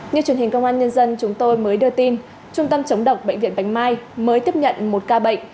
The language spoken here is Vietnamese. như truyền hình công an nhân dân chúng tôi mới đưa tin trung tâm chống độc bệnh viện bạch mai mới tiếp nhận một ca bệnh